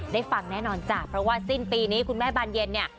ได้ฟังแน่นอนจ้ะเพราะว่าสิ้นปีนี้คุณแม่บานเย็นเนี่ย